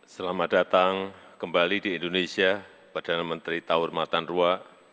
selamat datang kembali di indonesia badan menteri tawur matanrua